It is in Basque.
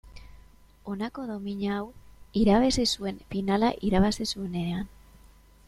Honako domina hau irabazi zuen finala irabazi zuenean.